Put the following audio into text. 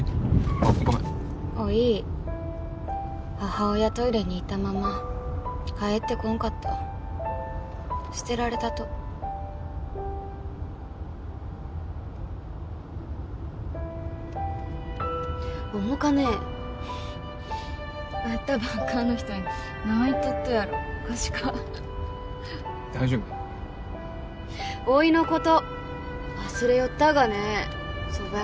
あっごめんおい母親トイレに行ったまま帰ってこんかった捨てられたと重かね会ったばっかの人に何言っとっとやろおかしか大丈夫おいのこと忘れよったがねそば屋